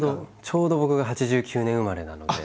ちょうど僕が８９年生まれなので。